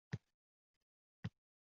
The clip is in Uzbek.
U buyuk asariga so‘nggi nuqtani qo‘ygan